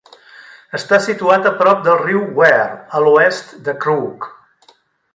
Està situat a prop del riu Wear, a l'oest de Crook.